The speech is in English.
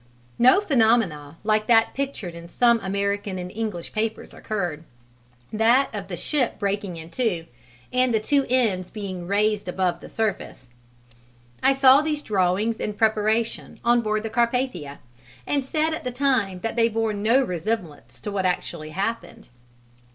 No phenomenon like that pictured in some American and English papers occurred that of the ship breaking in two, and the two ends being raised above the surface. I saw these drawings in preparation on board the Carpathia, and said at the time that they bore no resemblance to what actually happened.